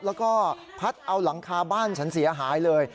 แล้วก็พัดเอาหลังคาบ้านฉันเสียหายเลย